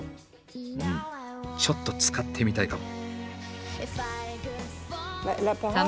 うんちょっと使ってみたいかも。